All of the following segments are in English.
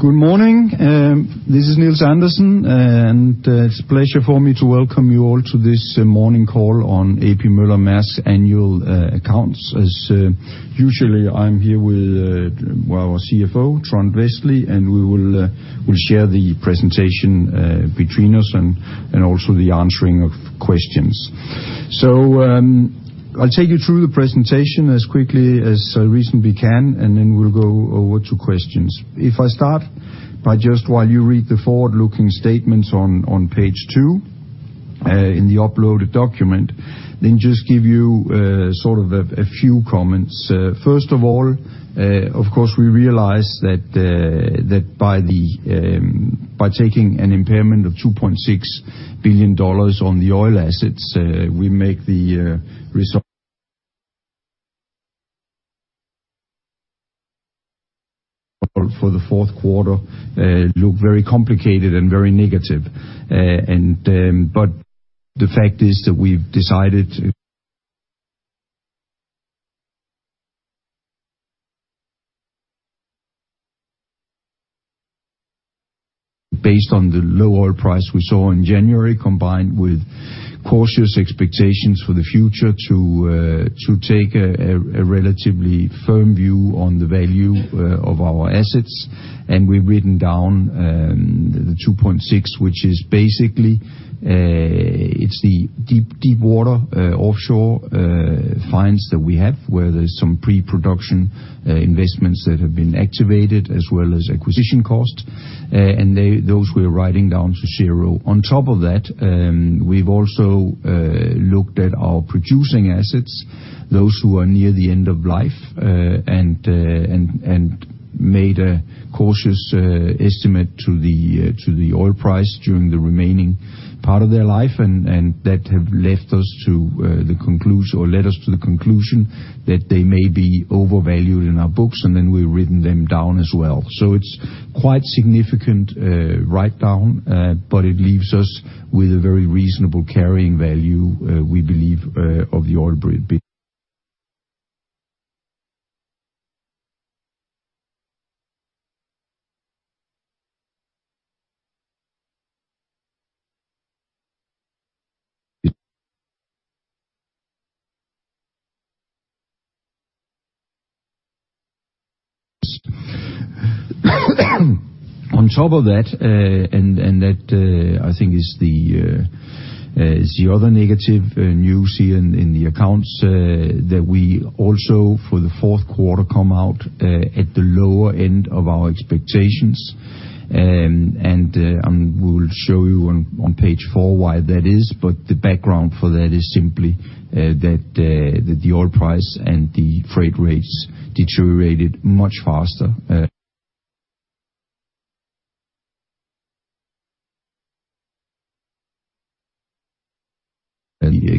Good morning. This is Nils Andersen, and it's a pleasure for me to welcome you all to this morning call on A.P. Møller-Mærsk's annual accounts. As usually, I'm here with, well, our CFO, Trond Westlie, and we'll share the presentation between us and also the answering of questions. I'll take you through the presentation as quickly as I reasonably can, and then we'll go over to questions. If I start by just while you read the forward-looking statements on page 2 in the uploaded document, then just give you sort of a few comments. First of all, of course, we realize that by taking an impairment of $2.6 billion on the oil assets, we make the result... For the fourth quarter, look very complicated and very negative. The fact is that we've decided based on the low oil price we saw in January, combined with cautious expectations for the future to take a relatively firm view on the value of our assets. We've written down the $2.6, which is basically it's the deep water offshore finds that we have, where there's some pre-production investments that have been activated, as well as acquisition costs. Those we're writing down to zero. On top of that, we've also looked at our producing assets, those who are near the end of life, and made a cautious estimate to the oil price during the remaining part of their life. that led us to the conclusion that they may be overvalued in our books, and then we've written them down as well. It's quite significant write down, but it leaves us with a very reasonable carrying value, we believe, of the oil business. On top of that, and that I think is the other negative news here in the accounts that we also, for the fourth quarter, come out at the lower end of our expectations. We'll show you on page four why that is. The background for that is simply that the oil price and the freight rates deteriorated much faster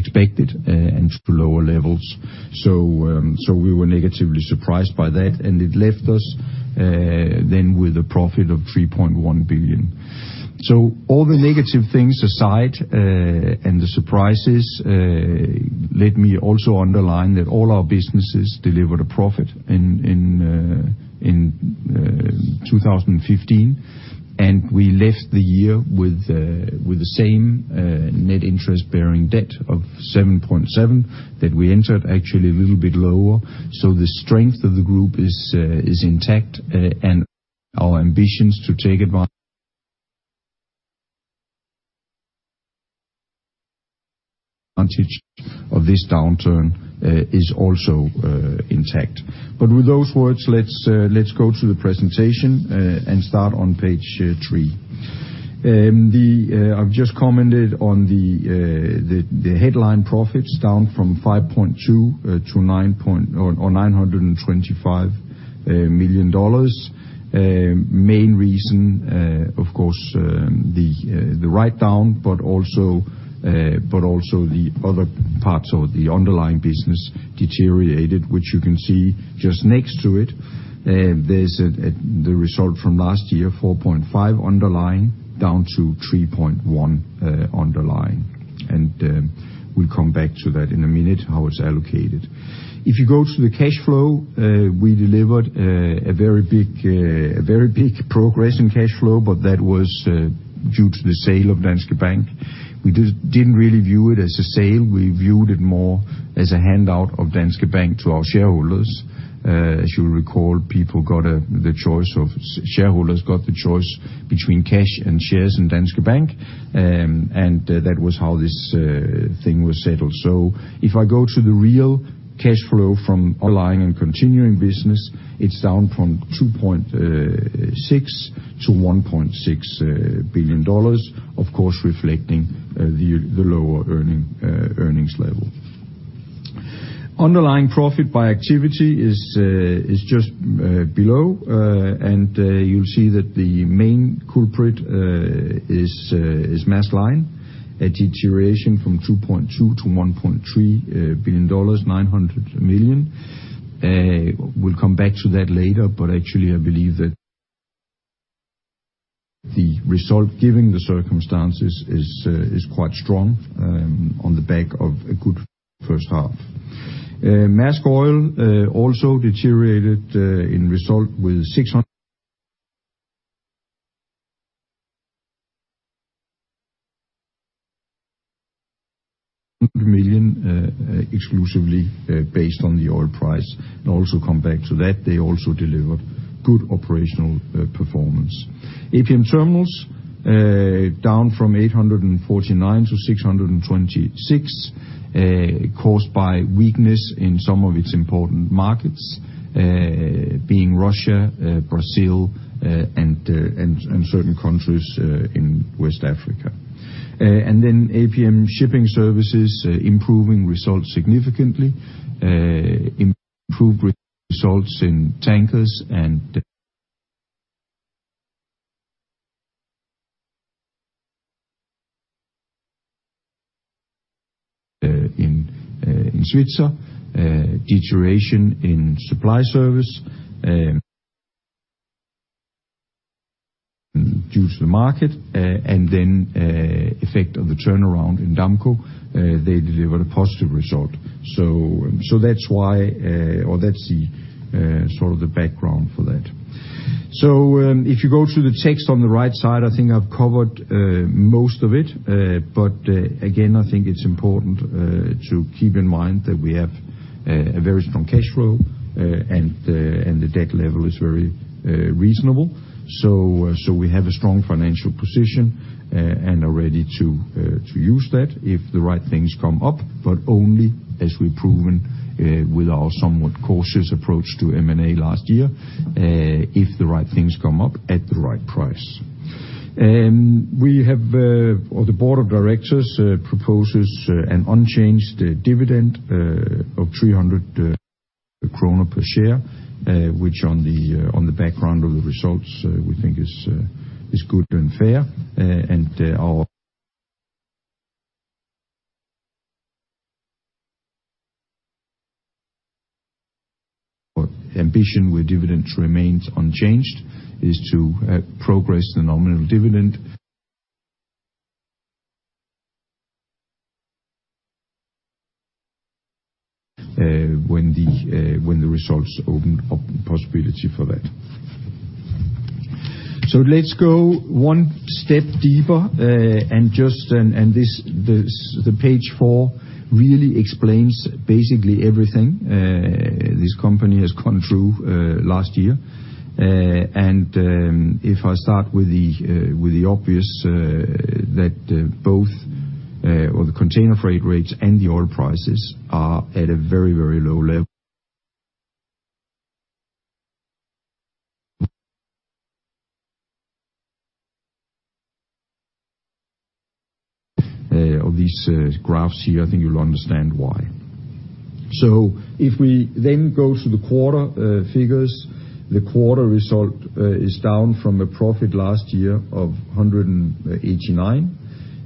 than we expected and to lower levels. We were negatively surprised by that, and it left us then with a profit of $3.1 billion. All the negative things aside, and the surprises, let me also underline that all our businesses delivered a profit in 2015. We left the year with the same net interest-bearing debt of $7.7 billion that we entered, actually a little bit lower. The strength of the group is intact, and our ambitions to take advantage of this downturn is also intact. With those words, let's go to the presentation and start on page 3. I've just commented on the headline profits down from $5.2 billion to $925 million. Main reason, of course, the write down, but also the other parts of the underlying business deteriorated, which you can see just next to it. There's the result from last year, 4.5 underlying, down to 3.1 underlying. We'll come back to that in a minute, how it's allocated. If you go to the cash flow, we delivered a very big progress in cash flow, but that was due to the sale of Danske Bank. We didn't really view it as a sale. We viewed it more as a handout of Danske Bank to our shareholders. As you'll recall, shareholders got the choice between cash and shares in Danske Bank. That was how this thing was settled. If I go to the real cash flow from underlying and continuing business, it's down from $2.6 billion to $1.6 billion, of course reflecting the lower earnings level. Underlying profit by activity is just below. You'll see that the main culprit is Maersk Line. A deterioration from $2.2 billion to $1.3 billion, $900 million. We'll come back to that later, but actually I believe that. The result, given the circumstances, is quite strong on the back of a good first half. Maersk Oil also deteriorated in result with $600 million, exclusively based on the oil price. Also come back to that, they also delivered good operational performance. APM Terminals down from 849 to 626, caused by weakness in some of its important markets, being Russia, Brazil, and certain countries in West Africa. APM Shipping Services improving results significantly, improved results in tankers and in Svitzer, deterioration in Maersk Supply Service due to the market, and the effect of the turnaround in Damco, they delivered a positive result. That's why, or that's the sort of the background for that. If you go to the text on the right side, I think I've covered most of it. Again, I think it's important to keep in mind that we have a very strong cash flow and the debt level is very reasonable. We have a strong financial position and are ready to use that if the right things come up, but only as we've proven with our somewhat cautious approach to M&A last year, if the right things come up at the right price. The board of directors proposes an unchanged dividend of 300 kroner per share, which on the background of the results we think is good and fair. Our ambition with dividends remains unchanged, is to progress the nominal dividend when the results open up possibility for that. Let's go one step deeper. The page four really explains basically everything this company has gone through last year. If I start with the obvious, that both the container freight rates and the oil prices are at a very, very low level. Of these graphs here, I think you'll understand why. If we then go to the quarter figures, the quarter result is down from a profit last year of $189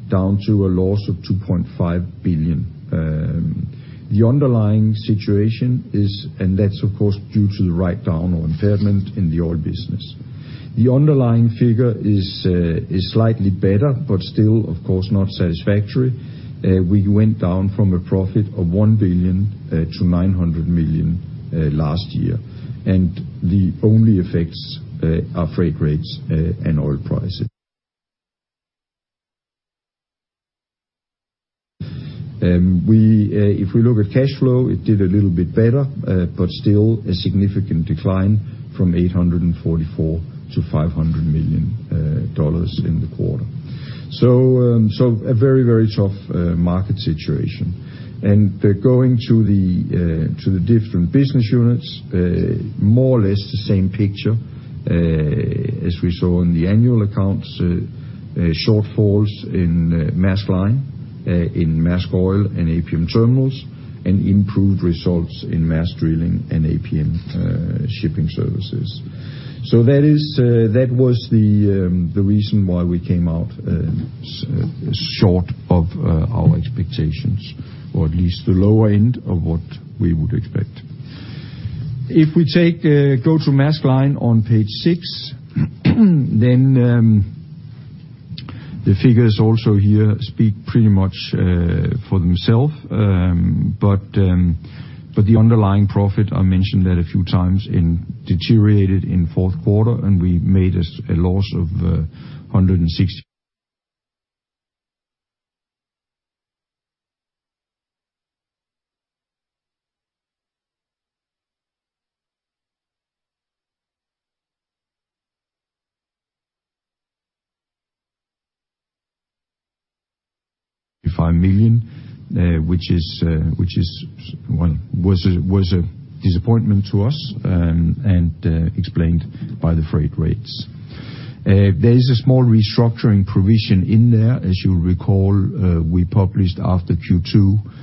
million, down to a loss of $2.5 billion. The underlying situation is, and that's of course due to the writedown or impairment in the oil business. The underlying figure is slightly better, but still, of course, not satisfactory. We went down from a profit of $1 billion to $900 million last year. The only effects are freight rates and oil prices. If we look at cash flow, it did a little bit better, but still a significant decline from $844 million to $500 million in the quarter. A very tough market situation. Going to the different business units, more or less the same picture as we saw in the annual accounts, shortfalls in Maersk Line, in Maersk Oil and APM Terminals, and improved results in Maersk Drilling and APM Shipping Services. That was the reason why we came out short of our expectations, or at least the lower end of what we would expect. If we go to Maersk Line on page 6, then the figures also here speak pretty much for themselves. But the underlying profit I mentioned that a few times it deteriorated in fourth quarter, and we made a loss of $165 million, which was a disappointment to us and explained by the freight rates. There is a small restructuring provision in there. As you'll recall, we published after Q2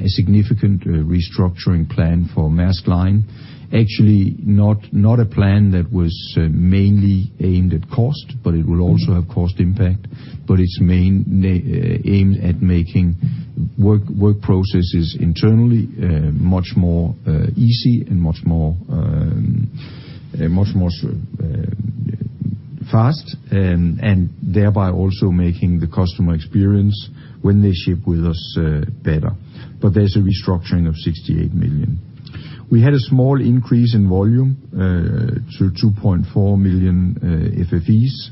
a significant restructuring plan for Maersk Line. Actually, not a plan that was mainly aimed at cost, but it will also have cost impact. It's mainly aimed at making work processes internally much easier and much faster and thereby also making the customer experience when they ship with us better. There's a restructuring of $68 million. We had a small increase in volume to 2.4 million FEUs.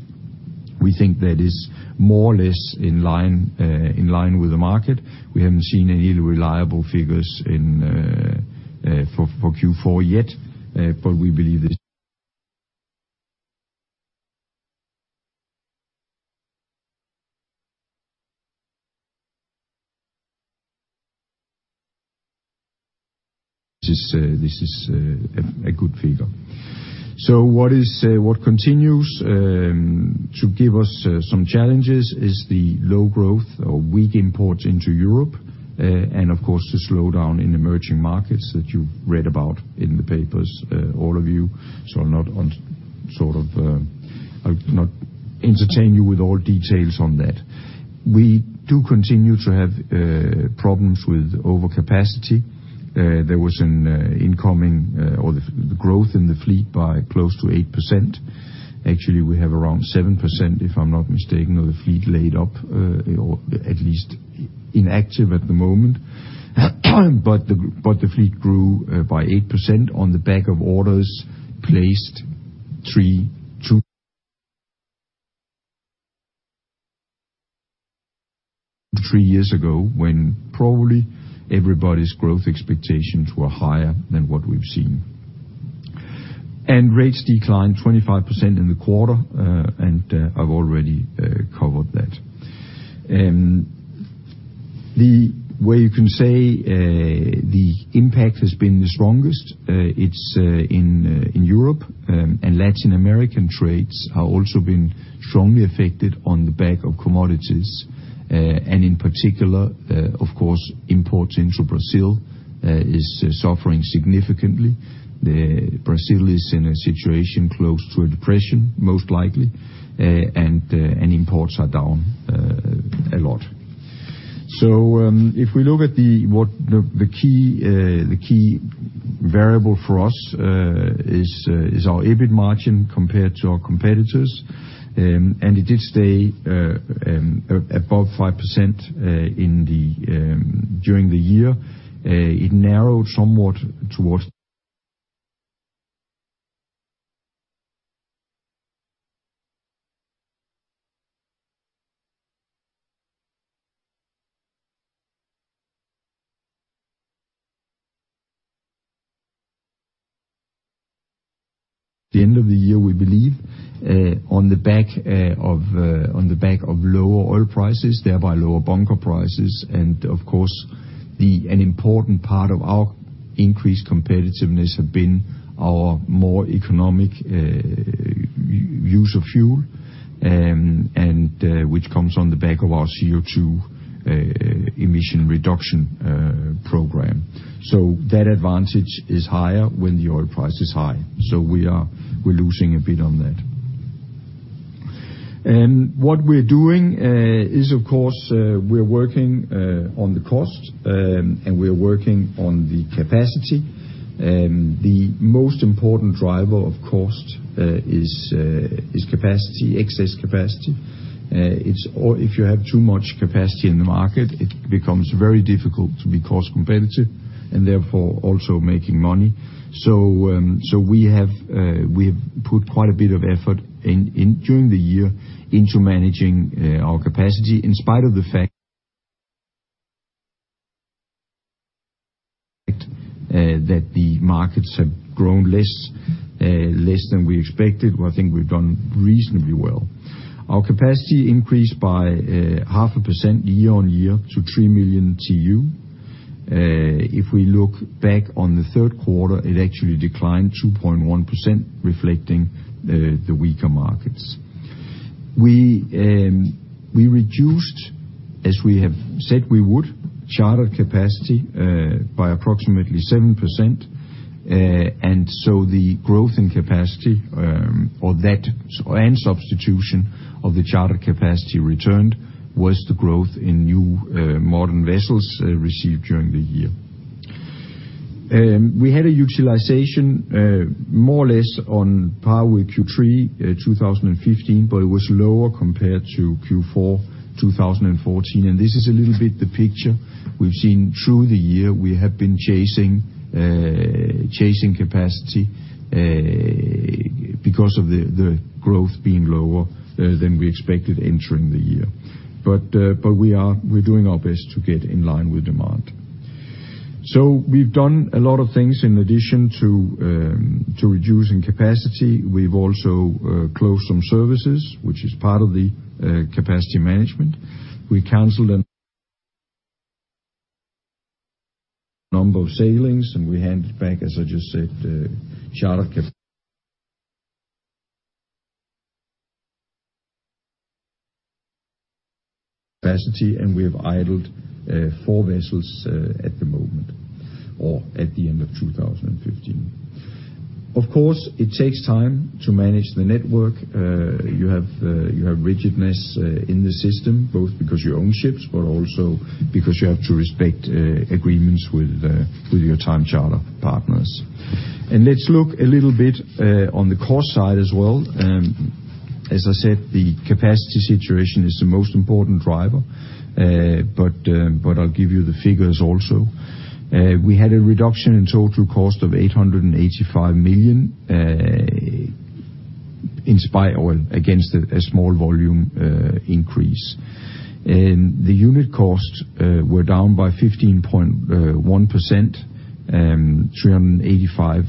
We think that is more or less in line with the market. We haven't seen any reliable figures for Q4 yet, but we believe this. This is a good figure. What continues to give us some challenges is the low growth or weak imports into Europe and of course the slowdown in emerging markets that you've read about in the papers, all of you. I'll not go on, sort of, I'll not entertain you with all details on that. We do continue to have problems with overcapacity. There was the growth in the fleet by close to 8%. Actually, we have around 7%, if I'm not mistaken, of the fleet laid up or at least inactive at the moment. The fleet grew by 8% on the back of orders placed two or three years ago, when probably everybody's growth expectations were higher than what we've seen. Rates declined 25% in the quarter and I've already covered that. The way you can say the impact has been the strongest in Europe and Latin American trades are also been strongly affected on the back of commodities. In particular, of course, imports into Brazil is suffering significantly. Brazil is in a situation close to a depression, most likely, and imports are down a lot. If we look at the key variable for us, is our EBIT margin compared to our competitors. It did stay above 5% during the year. It narrowed somewhat towards the end of the year, we believe, on the back of lower oil prices, thereby lower bunker prices, and of course, an important part of our increased competitiveness have been our more economic use of fuel, and which comes on the back of our CO2 emission reduction program. That advantage is higher when the oil price is high. We're losing a bit on that. What we're doing is, of course, we're working on the cost and we're working on the capacity. The most important driver of cost is capacity, excess capacity. It's awful if you have too much capacity in the market, it becomes very difficult to be cost competitive and therefore also making money. We have put quite a bit of effort into managing our capacity during the year. In spite of the fact that the markets have grown less than we expected, well, I think we've done reasonably well. Our capacity increased by 0.5% year-on-year to 3 million TEU. If we look back on the third quarter, it actually declined 2.1%, reflecting the weaker markets. We reduced, as we have said we would, charter capacity by approximately 7%. The growth in capacity, or that and substitution of the charter capacity returned was the growth in new modern vessels received during the year. We had a utilization more or less on par with Q3 2015, but it was lower compared to Q4 2014. This is a little bit the picture we've seen through the year. We have been chasing capacity because of the growth being lower than we expected entering the year. We're doing our best to get in line with demand. We've done a lot of things in addition to to reducing capacity. We've also closed some services, which is part of the capacity management. We canceled a number of sailings, and we handed back, as I just said, charter capacity, and we have idled four vessels at the moment or at the end of 2015. Of course, it takes time to manage the network. You have rigidness in the system, both because you own ships, but also because you have to respect agreements with your time charter partners. Let's look a little bit on the cost side as well. As I said, the capacity situation is the most important driver. But I'll give you the figures also. We had a reduction in total cost of $885 million in spite of a small volume increase. The unit costs were down by 15.1%, $385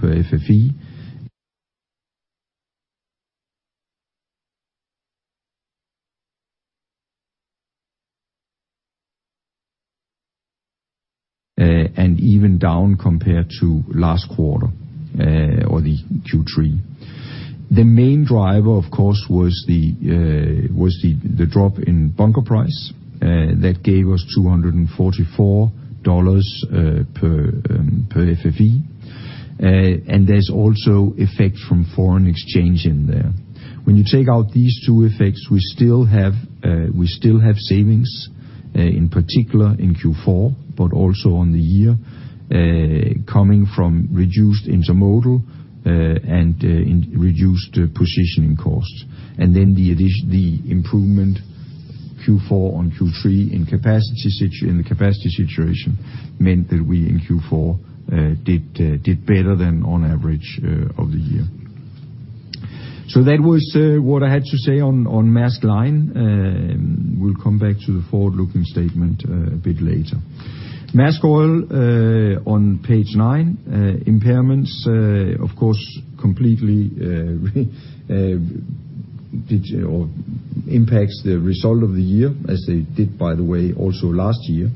per FEU. Even down compared to last quarter or Q3. The main driver, of course, was the drop in bunker price. That gave us $244 per FEU. There's also an effect from foreign exchange in there. When you take out these two effects, we still have savings, in particular in Q4, but also on the year, coming from reduced intermodal and in reduced positioning costs. The addition, the improvement Q4 on Q3 in the capacity situation meant that we in Q4 did better than on average of the year. That was what I had to say on Maersk Line. We'll come back to the forward-looking statement a bit later. Maersk Oil on page 9. Impairments of course completely impacts the result of the year as they did, by the way, also last year.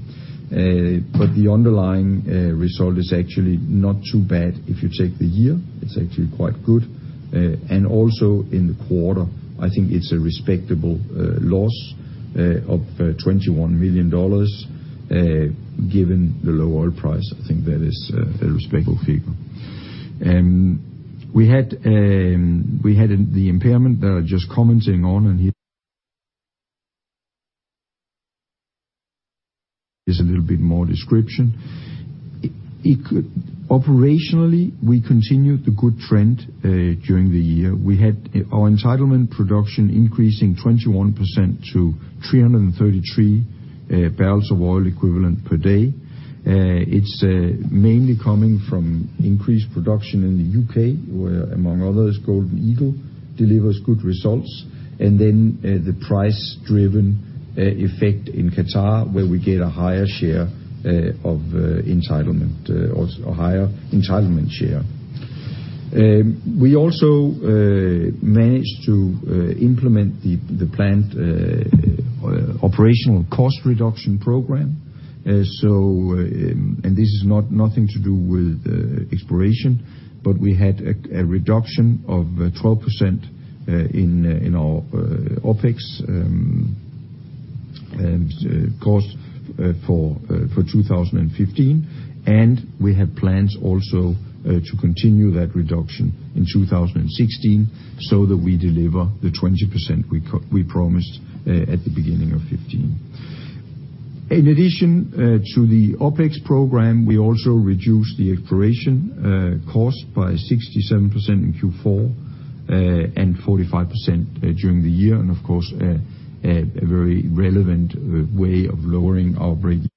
The underlying result is actually not too bad if you take the year. It's actually quite good. Also in the quarter, I think it's a respectable loss of $21 million given the low oil price. I think that is a respectable figure. We had the impairment that I just commented on and here is a little bit more description. Operationally, we continued the good trend during the year. We had our entitlement production increasing 21% to 333 barrels of oil equivalent per day. It's mainly coming from increased production in the U.K., where among others, Golden Eagle delivers good results. The price-driven effect in Qatar, where we get a higher share of entitlement or a higher entitlement share. We also managed to implement the planned operational cost reduction program. This is nothing to do with exploration, but we had a reduction of 12% in our OpEx and cost for 2015. We have plans also to continue that reduction in 2016 so that we deliver the 20% we promised at the beginning of 2015. In addition to the OpEx program, we also reduced the exploration cost by 67% in Q4 and 45% during the year. Of course, a very relevant way of lowering our breakeven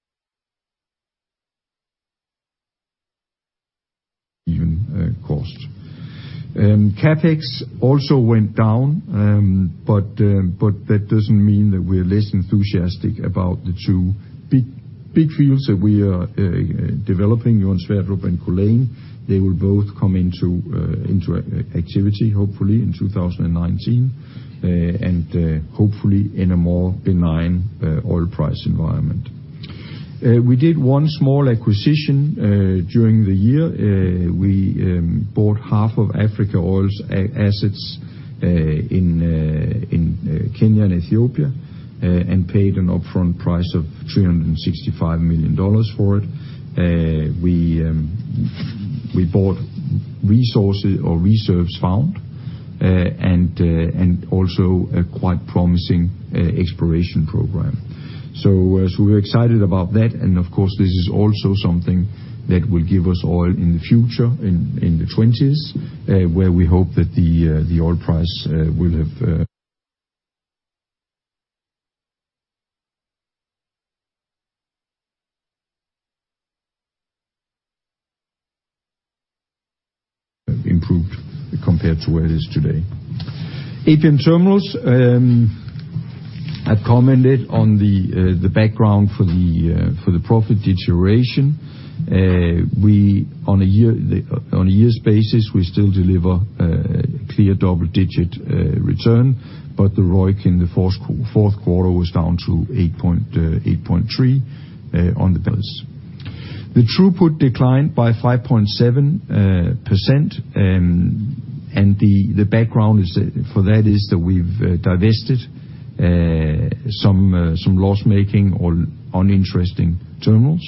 cost. CapEx also went down, but that doesn't mean that we're less enthusiastic about the two big fields that we are developing, Johan Sverdrup and Culzean. They will both come into activity hopefully in 2019, and hopefully in a more benign oil price environment. We did one small acquisition during the year. We bought half of Africa Oil's assets in Kenya and Ethiopia, and paid an upfront price of $365 million for it. We bought resources or reserves found, and also a quite promising exploration program. So we're excited about that. Of course, this is also something that will give us oil in the future in the twenties, where we hope that the oil price will have improved compared to where it is today. APM Terminals, I commented on the background for the profit deterioration. We, on a year, on a year's basis, we still deliver clear double-digit return, but the ROIC in the fourth quarter was down to 8.3 on the barrels. The throughput declined by 5.7%, and the background is that we've divested some loss-making or uninteresting terminals.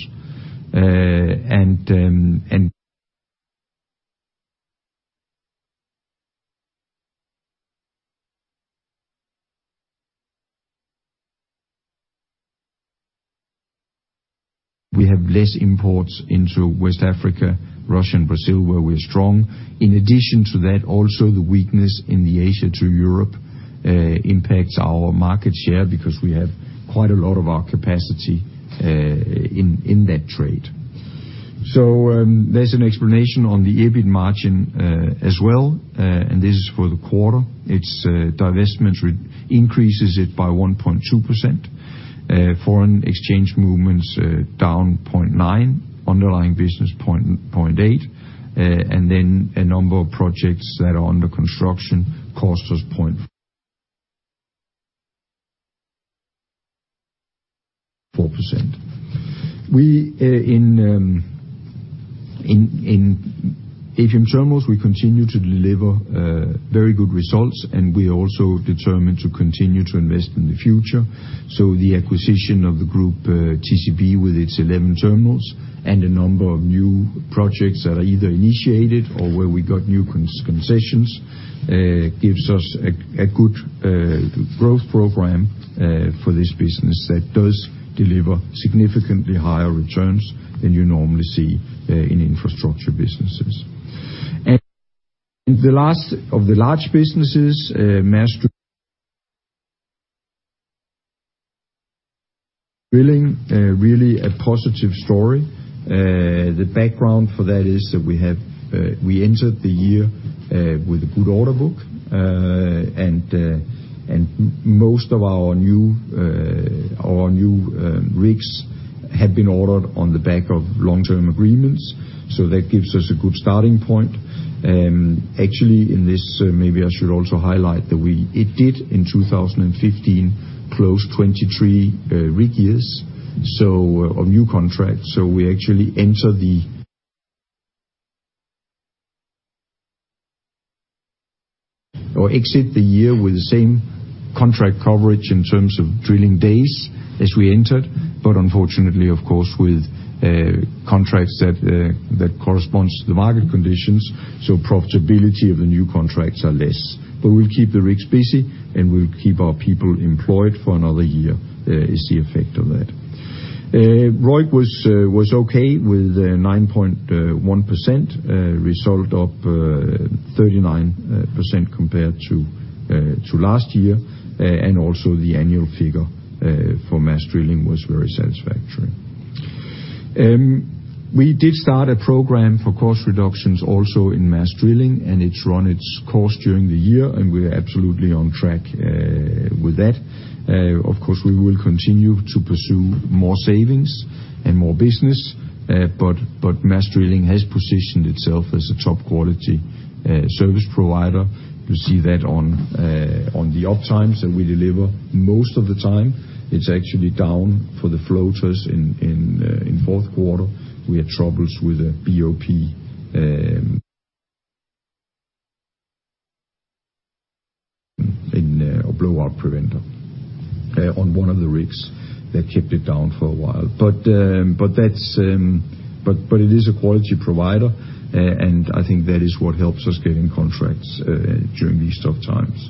We have less imports into West Africa, Russia, and Brazil, where we're strong. In addition to that, also the weakness in the Asia to Europe impacts our market share because we have quite a lot of our capacity in that trade. There's an explanation on the EBIT margin as well, and this is for the quarter. It's divestments increases it by 1.2%. Foreign exchange movements down 0.9%. Underlying business 0.8%. Then a number of projects that are under construction cost us 0.4%. In APM Terminals, we continue to deliver very good results, and we're also determined to continue to invest in the future. The acquisition of the Grup TCB with its 11 terminals and a number of new projects that are either initiated or where we got new concessions gives us a good growth program for this business that does deliver significantly higher returns than you normally see in infrastructure businesses. The last of the large businesses, Maersk Drilling, really a positive story. The background for that is that we entered the year with a good order book. Most of our new rigs had been ordered on the back of long-term agreements. That gives us a good starting point. Actually, maybe I should also highlight that it did in 2015 closed 23 rig years. A new contract. We actually exit the year with the same contract coverage in terms of drilling days as we entered. Unfortunately, of course, with contracts that corresponds to the market conditions, so profitability of the new contracts are less. We'll keep the rigs busy, and we'll keep our people employed for another year is the effect of that. ROIC was okay with 9.1%, result of 39% compared to last year. Also the annual figure for Maersk Drilling was very satisfactory. We did start a program for cost reductions also in Maersk Drilling, and it's run its course during the year, and we're absolutely on track with that. Of course, we will continue to pursue more savings and more business. Maersk Drilling has positioned itself as a top-quality service provider. You see that on the up times that we deliver most of the time. It's actually down for the floaters in fourth quarter. We had troubles with a BOP, or blowout preventer, on one of the rigs that kept it down for a while. That is a quality provider, and I think that is what helps us getting contracts during these tough times.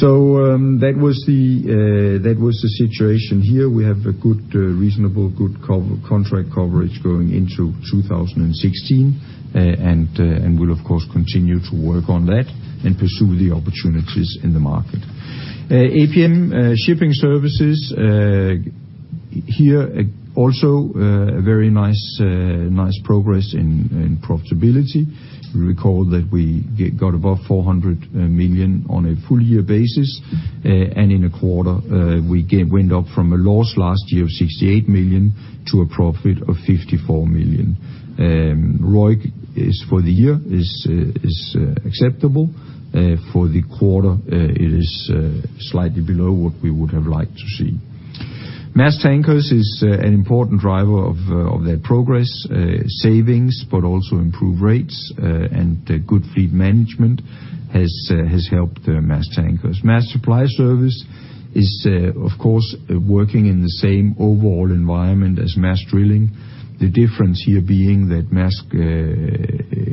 That was the situation here. We have a good, reasonably good contract coverage going into 2016. We'll of course continue to work on that and pursue the opportunities in the market. APM Shipping Services here also a very nice progress in profitability. You'll recall that we got above $400 million on a full year basis. In a quarter, we went up from a loss last year of $68 million to a profit of $54 million. ROIC for the year is acceptable. For the quarter, it is slightly below what we would have liked to see. Maersk Tankers is an important driver of that progress savings, but also improved rates, and good fleet management has helped Maersk Tankers. Maersk Supply Service is, of course, working in the same overall environment as Maersk Drilling. The difference here being that Maersk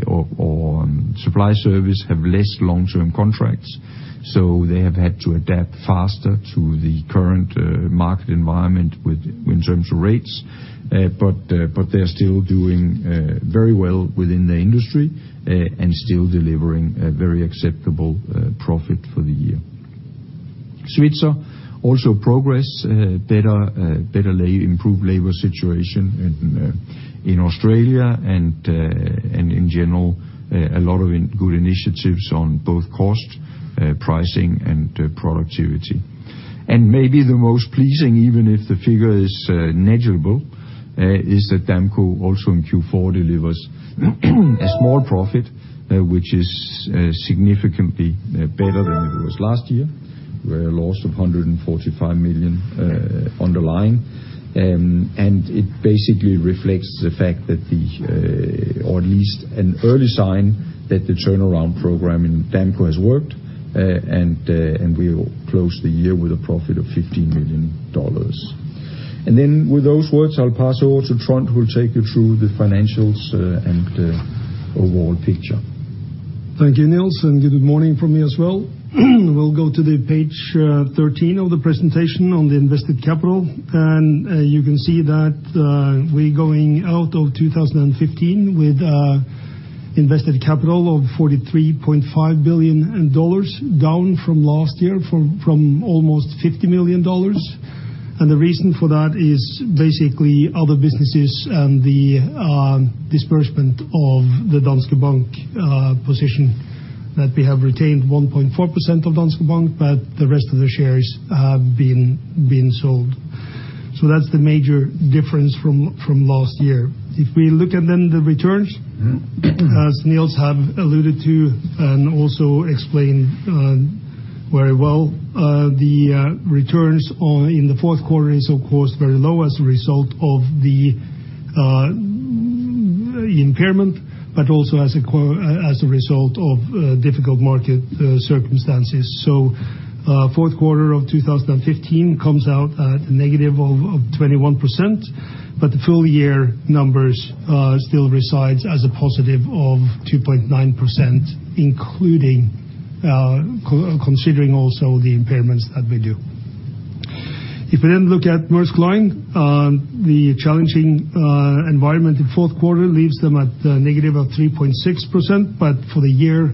or Supply Service have less long-term contracts, so they have had to adapt faster to the current market environment with, in terms of rates. They're still doing very well within the industry, and still delivering a very acceptable profit for the year. Svitzer also progress, better labor, improved labor situation in Australia and in general, a lot of good initiatives on both cost, pricing, and productivity. Maybe the most pleasing, even if the figure is negligible, is that Damco also in Q4 delivers a small profit, which is significantly better than it was last year. We had a loss of $145 million, underlying. It basically reflects the fact that or at least an early sign that the turnaround program in Damco has worked. We'll close the year with a profit of $15 million. Then with those words, I'll pass over to Trond, who will take you through the financials and overall picture. Thank you, Nils, and good morning from me as well. We'll go to the page, thirteen of the presentation on the invested capital. You can see that we're going out of 2015 with invested capital of $43.5 billion, down from last year, almost $50 billion. The reason for that is basically other businesses and the disbursement of the Danske Bank position that we have retained 1.4% of Danske Bank, but the rest of the shares have been sold. That's the major difference from last year. If we look at the returns, as Nils have alluded to and also explained, very well, the returns in the fourth quarter is of course very low as a result of the impairment, but also as a result of difficult market circumstances. Fourth quarter of 2015 comes out at a negative of 21%, but the full year numbers still resides as a positive of 2.9%, including considering also the impairments that we do. If we then look at Maersk Line, the challenging environment in fourth quarter leaves them at a negative of 3.6%, but for the year,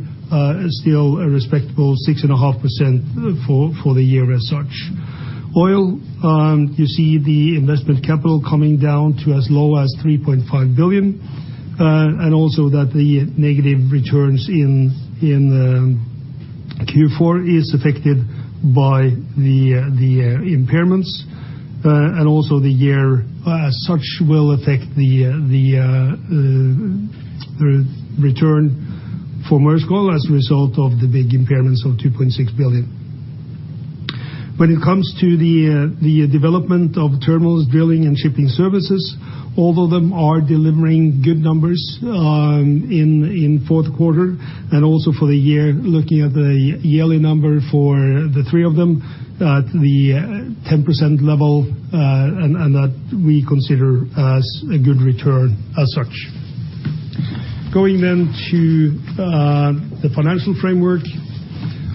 still a respectable 6.5% for the year as such. Oil, you see the investment capital coming down to as low as $3.5 billion, and also that the negative returns in Q4 is affected by the impairments. The year as such will affect the return for Maersk Oil as a result of the big impairments of $2.6 billion. When it comes to the development of terminals, drilling, and shipping services, all of them are delivering good numbers in fourth quarter and also for the year, looking at the yearly number for the three of them, at the 10% level, and that we consider as a good return as such. Going to the financial framework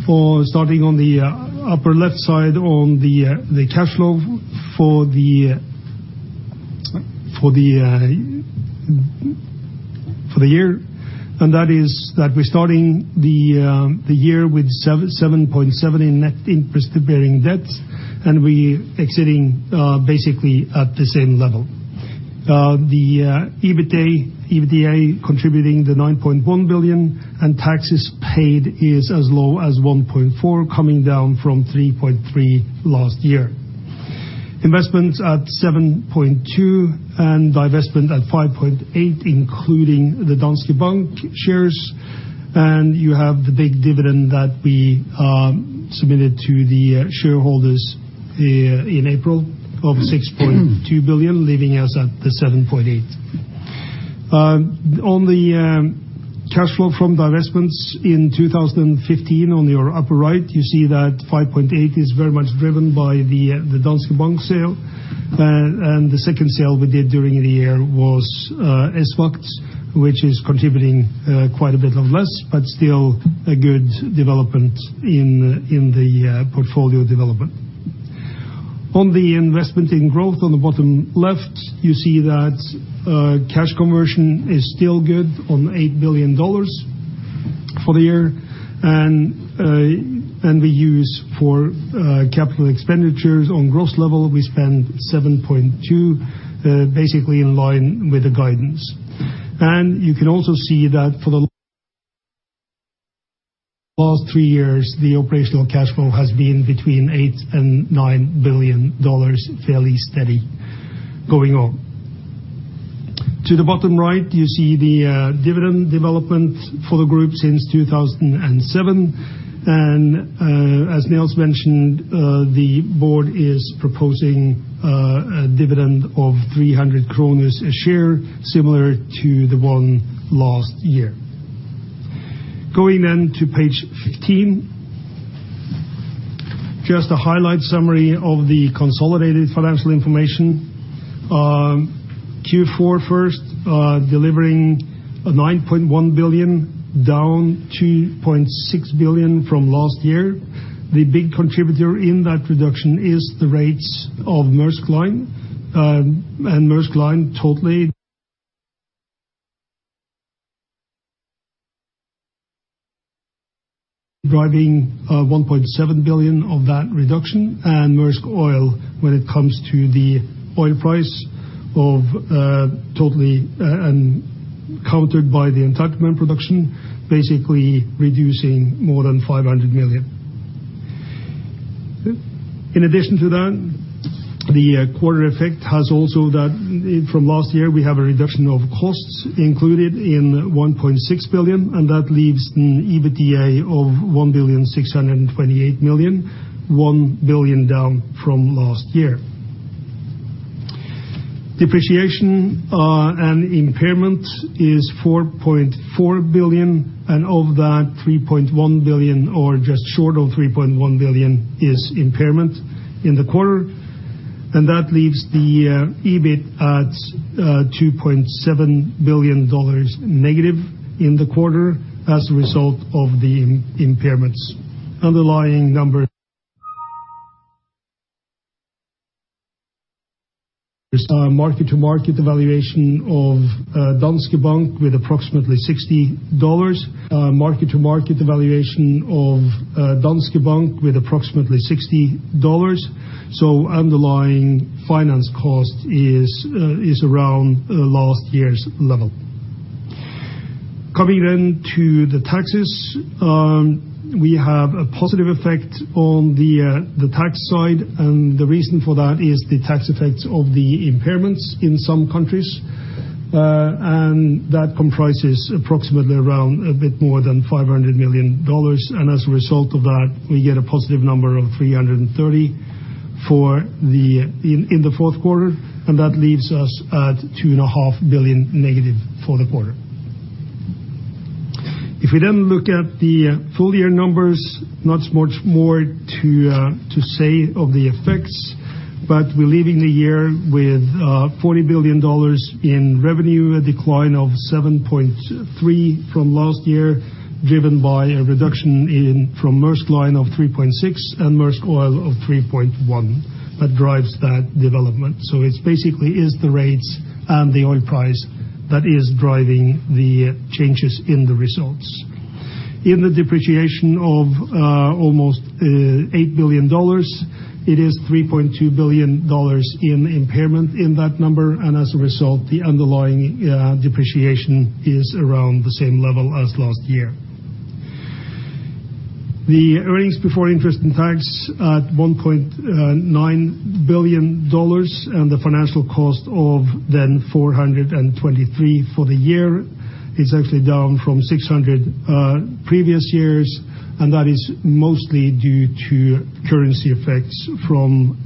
for starting on the upper left side on the cash flow for the year, and that is that we're starting the year with $7.7 billion in net interest-bearing debt, and we exiting basically at the same level. The EBITDA contributing the $9.1 billion, and taxes paid is as low as $1.4 billion, coming down from $3.3 billion last year. Investments at $7.2 billion and divestment at $5.8 billion, including the Danske Bank shares. You have the big dividend that we submitted to the shareholders in April of $6.2 billion, leaving us at the $7.8 billion. On the cash flow from divestments in 2015, on your upper right, you see that $5.8 billion is very much driven by the Danske Bank sale. The second sale we did during the year was Esvagt, which is contributing quite a bit less, but still a good development in the portfolio development. On the investment in growth on the bottom left, you see that cash conversion is still good on $8 billion for the year. We use for capital expenditures. On growth level, we spend $7.2 billion basically in line with the guidance. You can also see that for the last three years, the operational cash flow has been between $8 billion and $9 billion, fairly steady going on. To the bottom right, you see the dividend development for the group since 2007. As Nils mentioned, the board is proposing a dividend of 300 kroner a share, similar to the one last year. Going then to page 15. Just a highlight summary of the consolidated financial information. Q4 first, delivering $9.1 billion, down $2.6 billion from last year. The big contributor in that reduction is the rates of Maersk Line. Maersk Line totally driving $1.7 billion of that reduction. Maersk Oil, when it comes to the oil price, totally countered by the entitlement production, basically reducing more than $500 million. In addition to that, the quarter effect has also that from last year, we have a reduction of costs included in $1.6 billion, and that leaves an EBITDA of $1.628 billion, $1 billion down from last year. Depreciation and impairment is $4.4 billion, and of that, $3.1 billion or just short of $3.1 billion is impairment in the quarter. That leaves the EBIT at -$2.7 billion in the quarter as a result of the impairments. Underlying number. There's a mark-to-market valuation of Danske Bank with approximately $60. So underlying finance cost is around last year's level. Coming then to the taxes, we have a positive effect on the tax side, and the reason for that is the tax effects of the impairments in some countries. That comprises approximately around a bit more than $500 million. As a result of that, we get a positive number of $330 million in the fourth quarter, and that leaves us at $2.5 billion negative for the quarter. If we then look at the full year numbers, not much more to say of the effects. We're leaving the year with $40 billion in revenue, a decline of 7.3% from last year, driven by a reduction from Maersk Line of $3.6 billion and Maersk Oil of $3.1 billion that drives that development. It's basically the rates and the oil price that is driving the changes in the results. In the depreciation of almost $8 billion, it is $3.2 billion in impairment in that number. As a result, the underlying depreciation is around the same level as last year. The earnings before interest and tax at $1.9 billion, and the financial cost of then $423 million for the year is actually down from $600 million previous year, and that is mostly due to currency effects from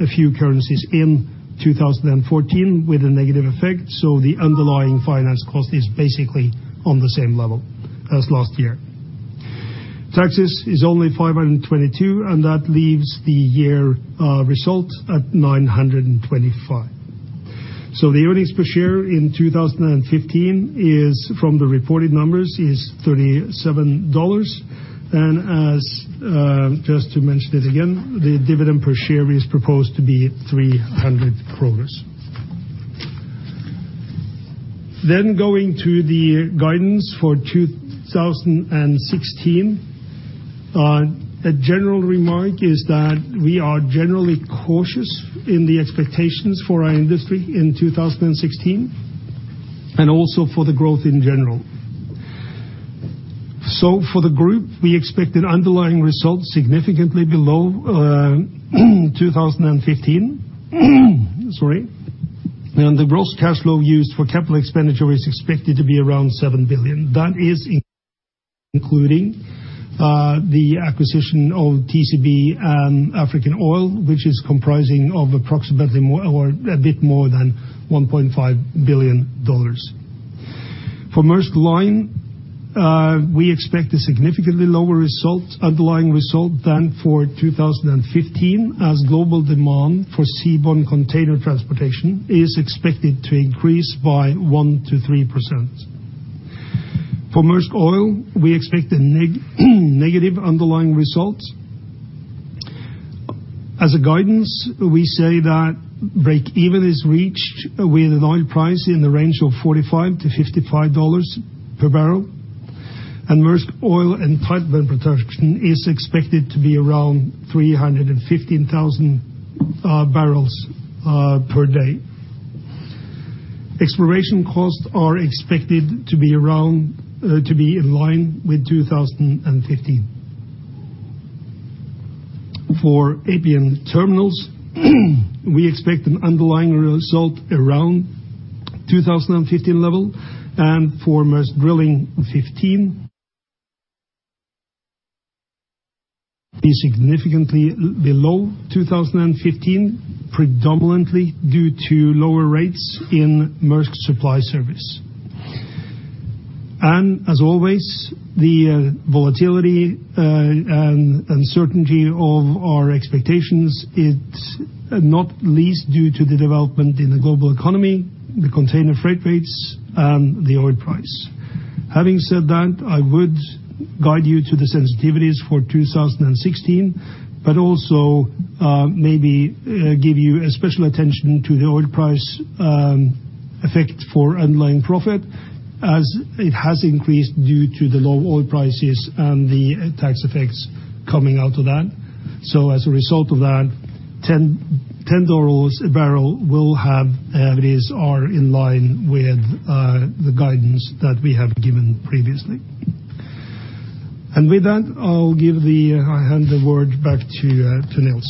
a few currencies in 2014 with a negative effect. The underlying finance cost is basically on the same level as last year. Taxes is only $522 million, and that leaves the year result at $925 million. The earnings per share in 2015 is, from the reported numbers, $37. Just to mention it again, the dividend per share is proposed to be 300 kroner. Going to the guidance for 2016. A general remark is that we are generally cautious in the expectations for our industry in 2016 and also for the growth in general. For the group, we expect an underlying result significantly below 2015. Sorry. The gross cash flow used for capital expenditure is expected to be around $7 billion. That is including the acquisition of TCB and Africa Oil, which is comprising of approximately more or a bit more than $1.5 billion. For Maersk Line, we expect a significantly lower result, underlying result than for 2015 as global demand for seaborne container transportation is expected to increase by 1%-3%. For Maersk Oil, we expect a negative underlying result. As a guidance, we say that breakeven is reached with an oil price in the range of $45-$55 per barrel. Maersk Oil and tight oil production is expected to be around 315,000 barrels per day. Exploration costs are expected to be in line with 2015. For APM Terminals, we expect an underlying result around 2015 level. For Maersk Drilling, 2015 be significantly below 2015, predominantly due to lower rates in Maersk Supply Service. As always, the volatility and certainty of our expectations. It's not least due to the development in the global economy, the container freight rates, and the oil price. Having said that, I would guide you to the sensitivities for 2016, but also maybe give you a special attention to the oil price effect for underlying profit as it has increased due to the low oil prices and the tax effects coming out of that. As a result of that, $10 a barrel will have. These are in line with the guidance that we have given previously. With that, I'll hand the word back to Nils.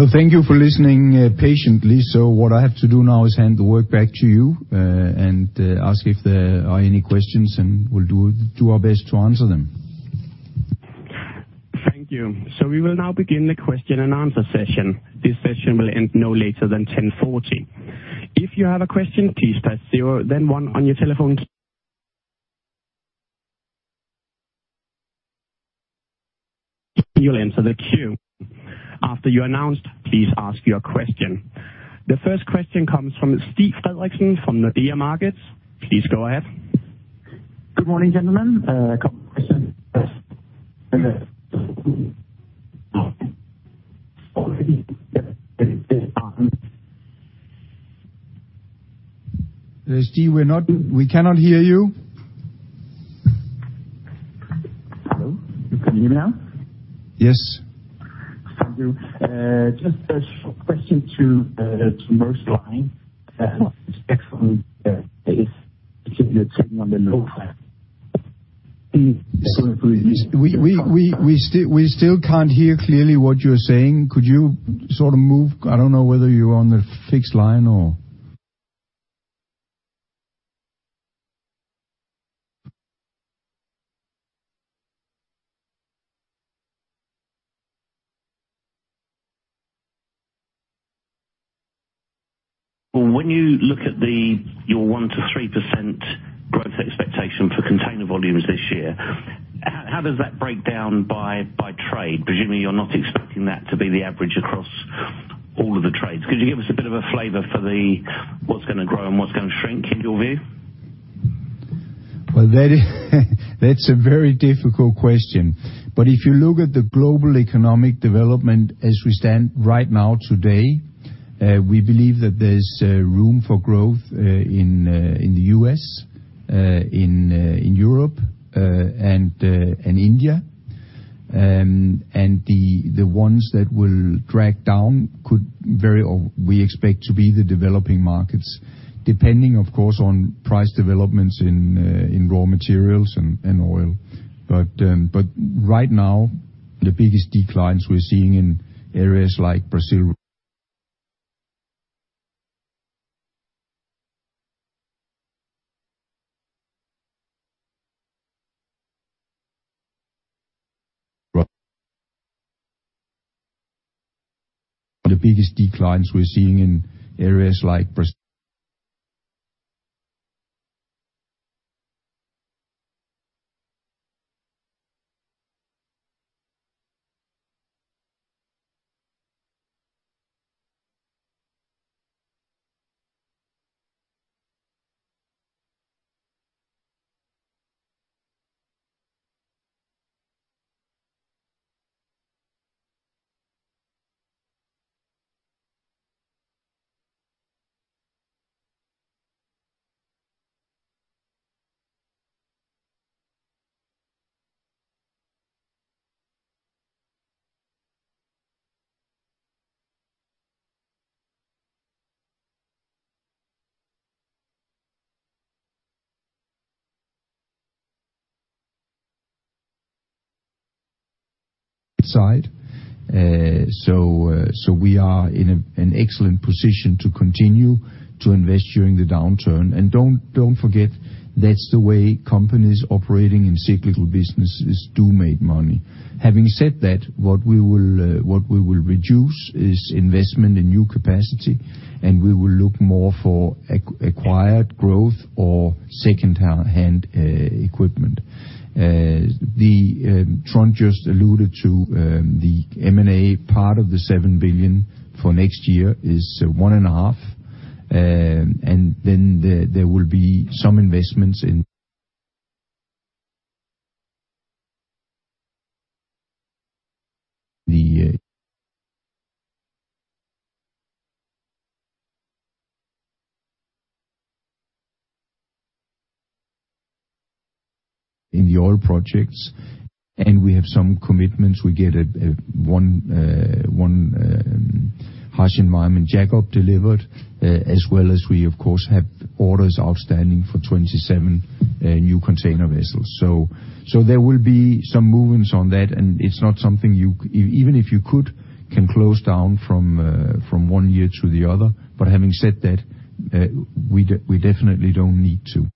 Well, thank you for listening patiently. What I have to do now is hand the work back to you, and ask if there are any questions, and we'll do our best to answer them. Thank you. We will now begin the question and answer session. This session will end no later than 10:40. If you have a question, please press 0 then 1 on your telephones. You'll enter the queue. After you're announced, please ask your question. The first question comes from Stig Frederiksen from Nordea Markets. Please go ahead. Good morning, gentlemen. A couple questions. Stig, we cannot hear you. Hello. You can hear me now? Yes. Thank you. Just a short question to Maersk Line. Sorry. We still can't hear clearly what you're saying. Could you sort of move? I don't know whether you're on a fixed line or. When you look at your 1%-3% growth expectation for container volumes this year, how does that break down by trade? Presumably, you're not expecting that to be the average across all of the trades. Could you give us a bit of a flavor for what's gonna grow and what's gonna shrink in your view? Well, that's a very difficult question. If you look at the global economic development as we stand right now today, we believe that there's room for growth in the US, in Europe, and India. The ones that will drag down could vary or we expect to be the developing markets, depending, of course, on price developments in raw materials and oil. Right now, the biggest declines we're seeing in areas like Brazil. We are in an excellent position to continue to invest during the downturn. Don't forget, that's the way companies operating in cyclical businesses do make money. Having said that, what we will reduce is investment in new capacity, and we will look more for acquired growth or secondhand equipment. Trond just alluded to the M&A part of the $7 billion for next year is $1.5 billion. Then there will be some investments in the oil projects, and we have some commitments. We get a one harsh environment jackup delivered, as well as we, of course, have orders outstanding for 27 new container vessels. There will be some movements on that, and it's not something you, even if you could, can close down from one year to the other. Having said that, we definitely don't need to.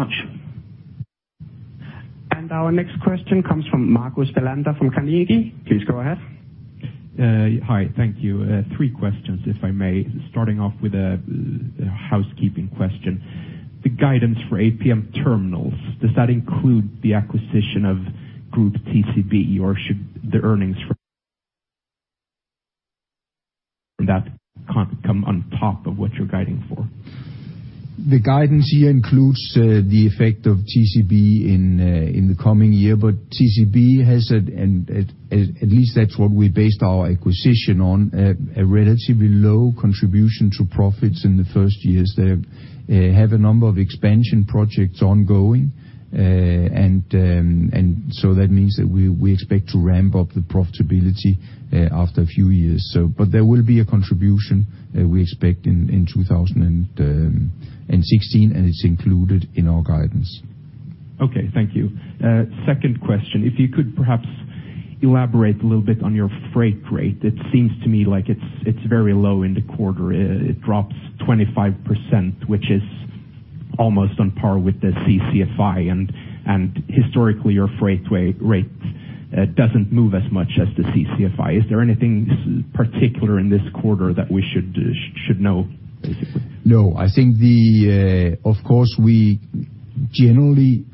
Okay. That's very kind. Thank you very much. Our next question comes from Marcus Wallander from Carnegie. Please go ahead. Hi. Thank you. Three questions, if I may, starting off with a housekeeping question. The guidance for APM Terminals, does that include the acquisition of Grup TCB, or should the earnings from that come on top of what you're guiding for? The guidance here includes the effect of TCB in the coming year, but TCB has it and at least that's what we based our acquisition on, a relatively low contribution to profits in the first years. They have a number of expansion projects ongoing. That means that we expect to ramp up the profitability after a few years. There will be a contribution that we expect in 2016, and it's included in our guidance. Okay, thank you. Second question, if you could perhaps elaborate a little bit on your freight rate. It seems to me like it's very low in the quarter. It drops 25%, which is almost on par with the CCFI and historically, your freight rate doesn't move as much as the CCFI. Is there anything particular in this quarter that we should know, basically? No, I think, of course, we generally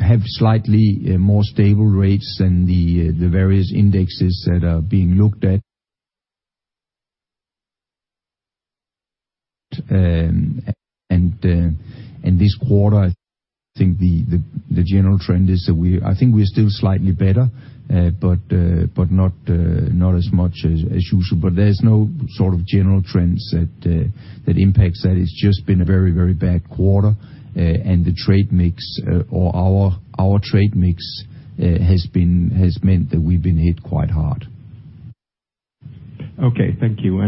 have slightly more stable rates than the various indexes that are being looked at. This quarter, I think the general trend is that I think we're still slightly better, but not as much as usual. There's no sort of general trends that impacts that. It's just been a very bad quarter. The trade mix or our trade mix has meant that we've been hit quite hard. Okay, thank you.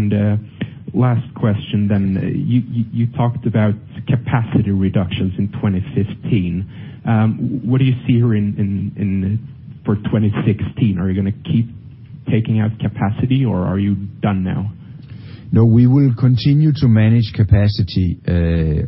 Last question then. You talked about capacity reductions in 2015. What do you see here in for 2016? Are you gonna keep taking out capacity, or are you done now? No, we will continue to manage capacity.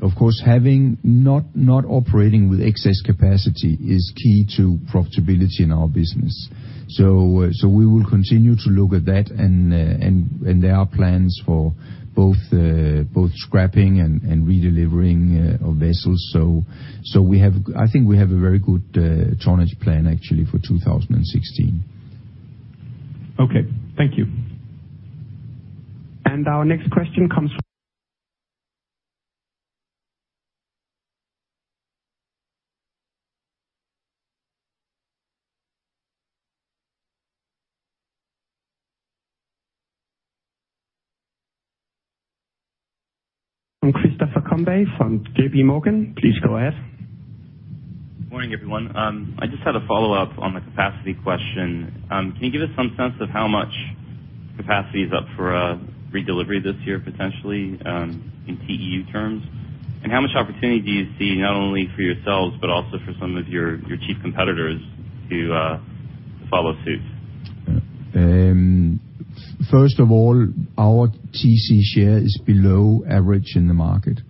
Of course, having not operating with excess capacity is key to profitability in our business. We will continue to look at that and there are plans for both scrapping and redelivering of vessels. We have—I think we have a very good tonnage plan actually for 2016. Okay, thank you. Our next question comes from Christopher Coombs from J.P. Morgan. Please go ahead. Good morning, everyone. I just had a follow-up on the capacity question. Can you give us some sense of how much capacity is up for redelivery this year, potentially, in TEU terms? How much opportunity do you see not only for yourselves, but also for some of your chief competitors to follow suit? First of all, our TC share is below average in the market.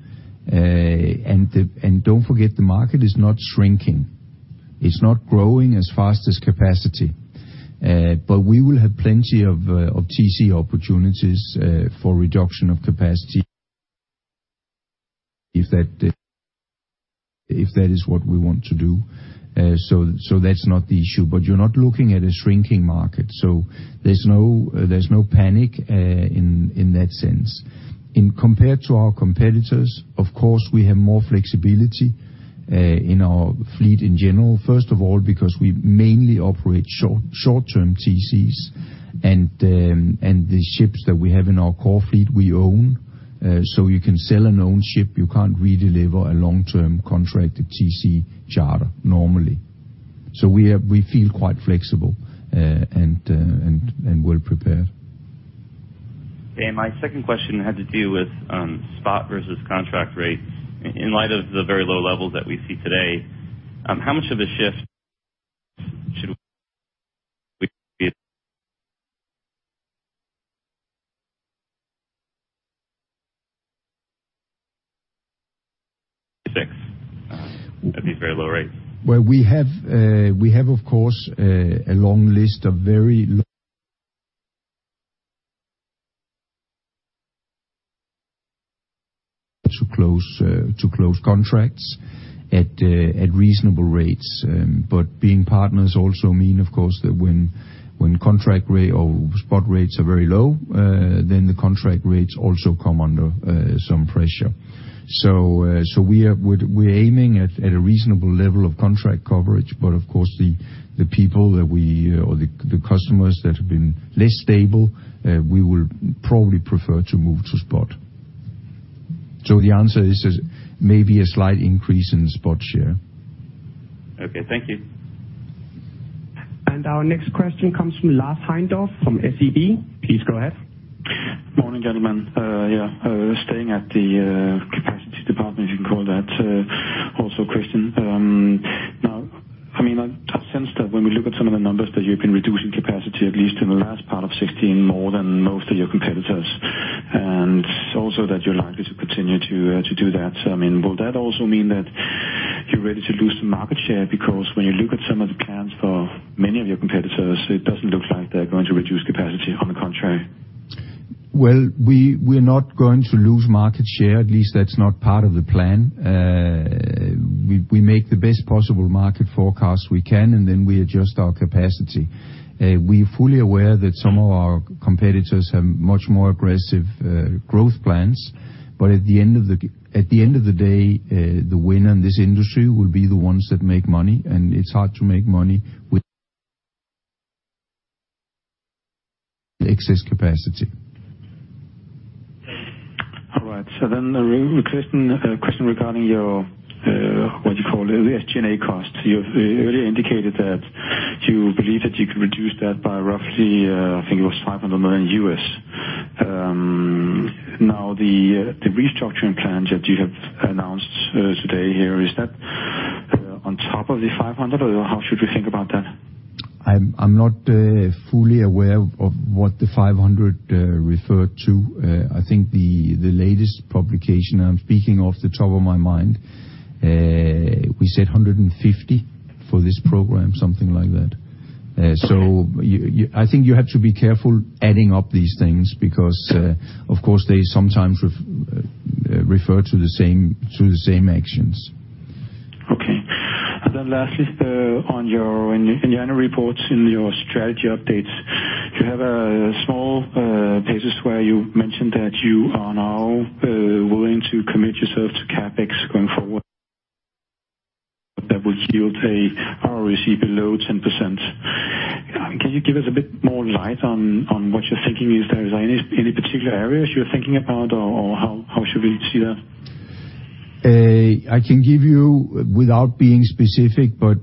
Don't forget, the market is not shrinking. It's not growing as fast as capacity. We will have plenty of TC opportunities for reduction of capacity if that is what we want to do. That's not the issue. You're not looking at a shrinking market. There's no panic in that sense. In comparison to our competitors, of course, we have more flexibility in our fleet in general. First of all, because we mainly operate short-term TCs and the ships that we have in our core fleet we own, so you can sell an owned ship, you can't redeliver a long-term contracted TC charter normally. We feel quite flexible and well prepared. My second question had to do with spot versus contract rates. In light of the very low levels that we see today, how much of a shift should we see? At the very low rates. Well, we have of course a long list to close contracts at reasonable rates. Being partners also mean of course that when contract rate or spot rates are very low, then the contract rates also come under some pressure. We're aiming at a reasonable level of contract coverage, but of course the customers that have been less stable, we will probably prefer to move to spot. The answer is just maybe a slight increase in spot share. Okay, thank you. Our next question comes from Lars Heindorff from SEB. Please go ahead. Morning, gentlemen. Staying at the capacity department, you can call that, also question. Now, I mean, I've sensed that when we look at some of the numbers that you've been reducing capacity, at least in the last part of 2016, more than most of your competitors, and also that you're likely to continue to do that. I mean, will that also mean that you're ready to lose some market share? Because when you look at some of the plans for many of your competitors, it doesn't look like they're going to reduce capacity, on the contrary. Well, we're not going to lose market share, at least that's not part of the plan. We make the best possible market forecast we can, and then we adjust our capacity. We are fully aware that some of our competitors have much more aggressive growth plans. At the end of the day, the winner in this industry will be the ones that make money, and it's hard to make money with excess capacity. All right, a question regarding your what you call it, SG&A costs. You've earlier indicated that you believe that you can reduce that by roughly, I think it was $500 million. Now the restructuring plans that you have announced today here, is that on top of the 500, or how should we think about that? I'm not fully aware of what the $500 referred to. I think the latest publication, I'm speaking off the top of my mind, we said $150 for this program, something like that. I think you have to be careful adding up these things because, of course, they sometimes refer to the same actions. Okay. Lastly, in your annual reports, in your strategy updates, you have a small pages where you mentioned that you are now willing to commit yourself to CapEx going forward that will yield a ROIC below 10%. Can you give us a bit more light on what you're thinking? Is there any particular areas you're thinking about or how should we see that? I can give you without being specific, but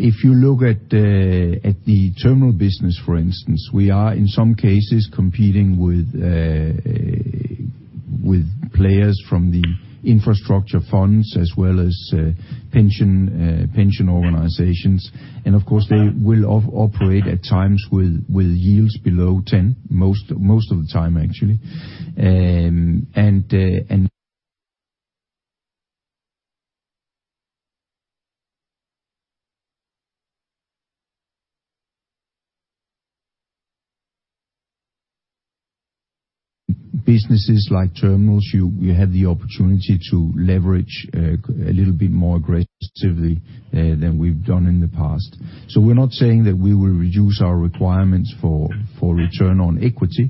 if you look at the terminal business, for instance, we are in some cases competing with players from the infrastructure funds as well as pension organizations. Of course, they will operate at times with yields below 10%, most of the time actually. Businesses like terminals, you have the opportunity to leverage a little bit more aggressively than we've done in the past. We're not saying that we will reduce our requirements for return on equity,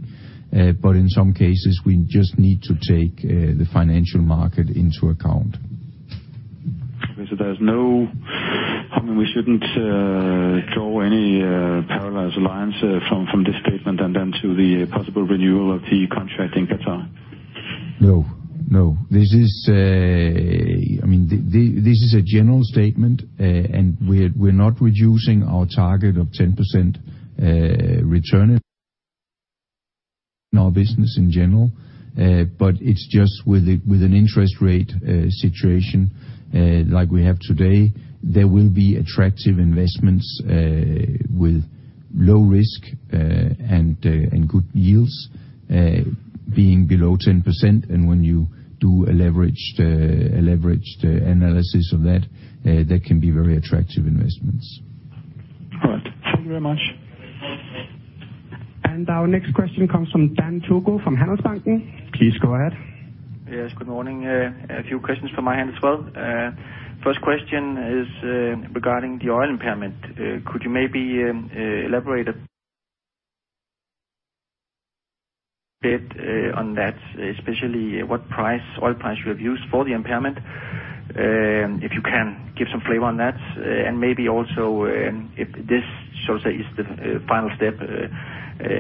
but in some cases, we just need to take the financial market into account. There's no I mean, we shouldn't draw any parallel lines from this statement and then to the possible renewal of the contract in Qatar? No. This is, I mean, this is a general statement. We're not reducing our target of 10% return in our business in general. It's just with an interest rate situation like we have today. There will be attractive investments with low risk and good yields being below 10%. When you do a leveraged analysis of that can be very attractive investments. All right. Thank you very much. Our next question comes from Dan Togo from Handelsbanken. Please go ahead. Yes, good morning. A few questions from my end as well. First question is regarding the oil impairment. Could you maybe elaborate a bit on that, especially what oil price you have used for the impairment? If you can give some flavor on that, and maybe also if this, shall I say, is the final step,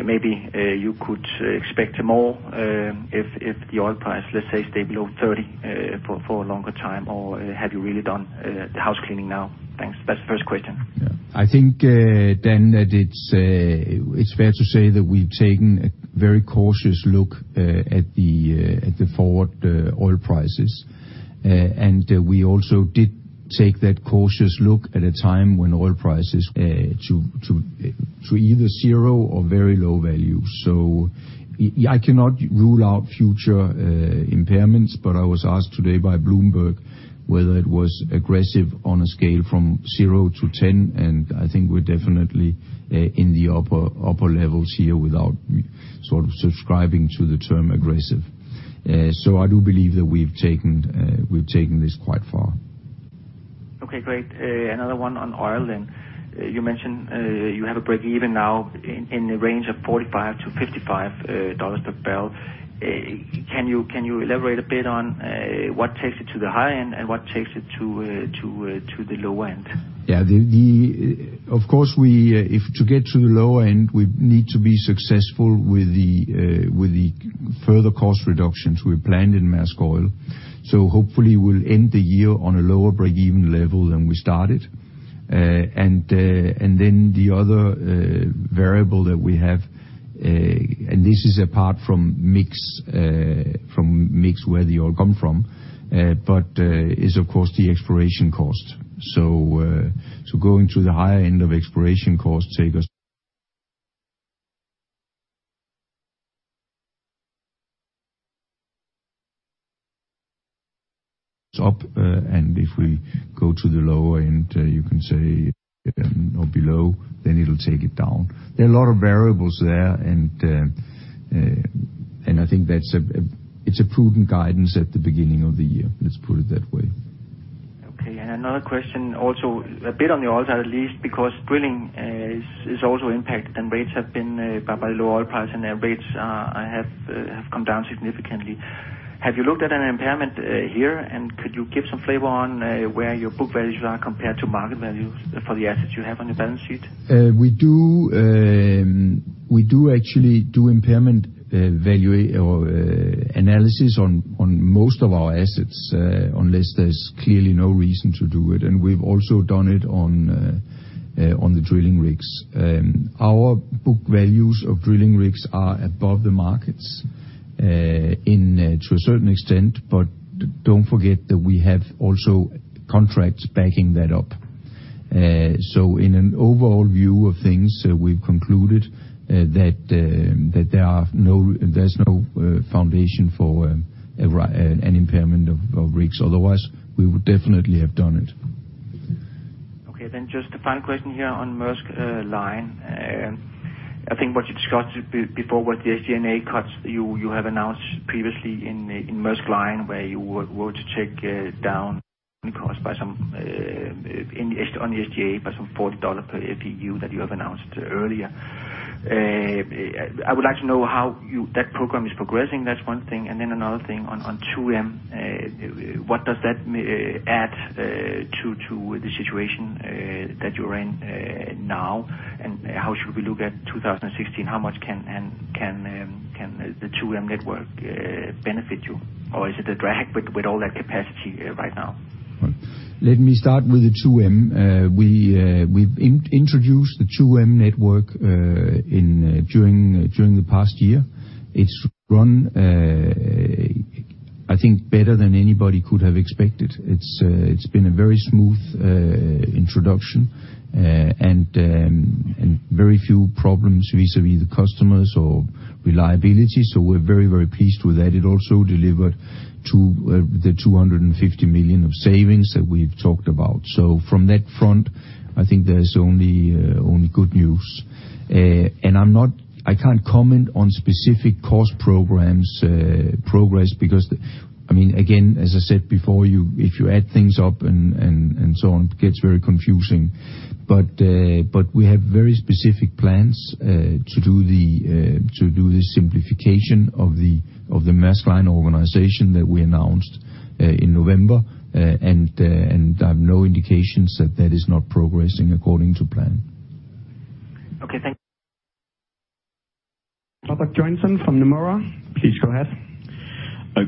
maybe you could expect more if the oil price, let's say, stay below $30 for a longer time, or have you really done the house cleaning now? Thanks. That's the first question. Yeah. I think, Dan, that it's fair to say that we've taken a very cautious look at the forward oil prices. We also did take that cautious look at a time when oil prices to either 0 or very low value. I cannot rule out future impairments, but I was asked today by Bloomberg whether it was aggressive on a scale from 0 to 10, and I think we're definitely in the upper levels here without sort of subscribing to the term aggressive. I do believe that we've taken this quite far. Okay, great. Another one on oil then. You mentioned you have a breakeven now in the range of $45-$55 per barrel. Can you elaborate a bit on what takes it to the high end, and what takes it to the low end? Yeah. Of course, if to get to the low end, we need to be successful with the further cost reductions we planned in Maersk Oil. Hopefully, we'll end the year on a lower break-even level than we started. The other variable that we have, and this is apart from mix where the oil come from, but is of course, the exploration cost. Going to the higher end of exploration costs take us up, and if we go to the lower end, you can say or below, then it'll take it down. There are a lot of variables there, and I think it's a prudent guidance at the beginning of the year. Let's put it that way. Okay. Another question also, a bit on the oil side, at least, because drilling is also impacted, and rates have been hit by low oil price, and their rates have come down significantly. Have you looked at an impairment here, and could you give some flavor on where your book values are compared to market values for the assets you have on your balance sheet? We do actually do impairment analysis on most of our assets, unless there's clearly no reason to do it, and we've also done it on the drilling rigs. Our book values of drilling rigs are above the markets, to a certain extent, but don't forget that we have also contracts backing that up. So in an overall view of things, we've concluded that there is no foundation for an impairment of rigs. Otherwise, we would definitely have done it. Okay, just a final question here on Maersk Line. I think what you discussed before were the SG&A cuts you have announced previously in Maersk Line, where you were to take down costs by some in the SGA by some $40 per FEU that you have announced earlier. I would like to know how that program is progressing, that's one thing, and then another thing on 2M. What does that add to the situation that you're in now, and how should we look at 2016? How much can the 2M network benefit you? Or is it a drag with all that capacity right now? Let me start with the 2M. We've introduced the 2M network during the past year. It's run I think better than anybody could have expected. It's been a very smooth introduction and very few problems vis-à-vis the customers or reliability. We're very pleased with that. It also delivered the $250 million of savings that we've talked about. From that front, I think there's only good news. I can't comment on specific cost programs progress because, I mean, again, as I said before, if you add things up and so on, it gets very confusing. We have very specific plans to do the simplification of the Maersk Line organization that we announced in November, and I have no indications that that is not progressing according to plan. Okay, thank you. Robert Joynson from Nomura, please go ahead.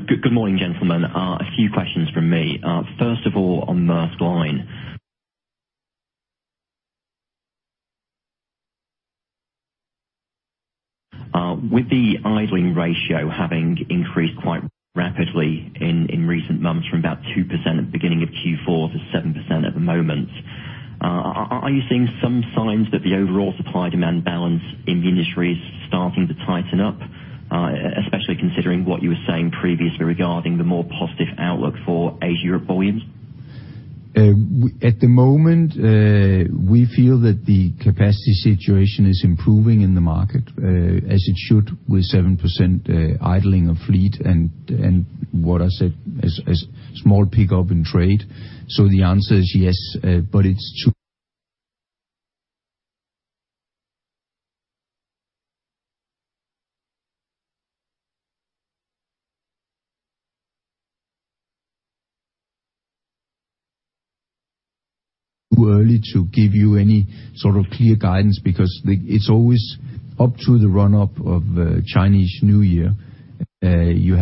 Good morning, gentlemen. A few questions from me. First of all, on Maersk Line. With the idling ratio having increased quite rapidly in recent months from about 2% at the beginning of Q4 to 7% at the moment, are you seeing some signs that the overall supply-demand balance in the industry is starting to tighten up, especially considering what you were saying previously regarding the more positive outlook for Asia-Europe volumes? At the moment, we feel that the capacity situation is improving in the market, as it should with 7% idling of fleet and what I said is small pickup in trade. The answer is yes. But it's too early to give you any sort of clear guidance because it's always up to the run-up of Chinese New Year. You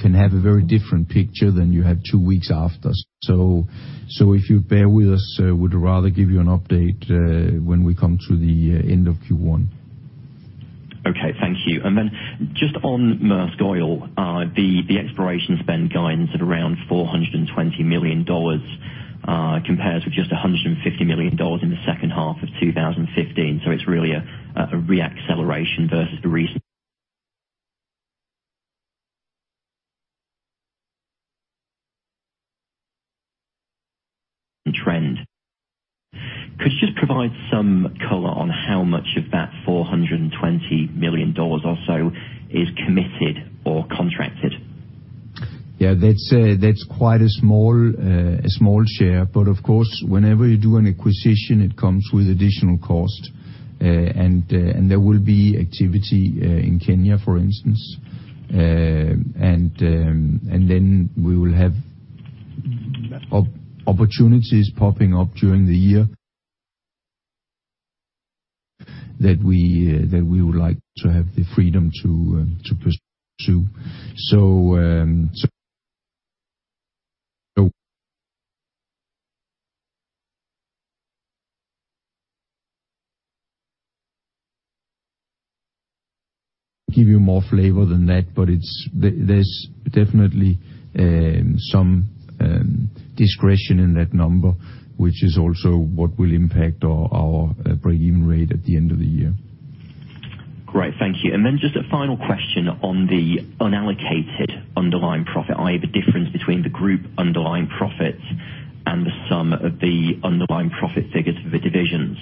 can have a very different picture than you have two weeks after. If you bear with us, we'd rather give you an update when we come to the end of Q1. Okay. Thank you. Just on Maersk Oil, the exploration spend guidance at around $420 million compares with just $150 million in the second half of 2015. It's really a re-acceleration versus the recent trend. Could you just provide some color on how much of that $420 million or so is committed or contracted? Yeah, that's quite a small share. Of course, whenever you do an acquisition, it comes with additional cost. There will be activity in Kenya, for instance. Then we will have opportunities popping up during the year that we would like to have the freedom to pursue. Give you more flavor than that, but there's definitely some discretion in that number, which is also what will impact our break-even rate at the end of the year. Great. Thank you. Just a final question on the unallocated underlying profit, i.e., the difference between the group underlying profits and the sum of the underlying profit figures for the divisions.